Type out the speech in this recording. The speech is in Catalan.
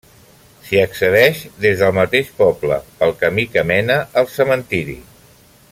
S'hi accedeix des del mateix poble, pel camí que mena al cementiri.